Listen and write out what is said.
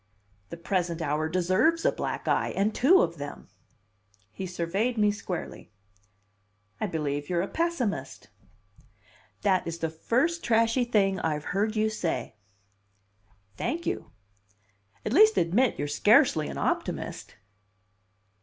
"The present hour deserves a black eye, and two of them!" He surveyed me squarely. "I believe you're a pessimist!" "That is the first trashy thing I've heard you say." "Thank you! At least admit you're scarcely an optimist."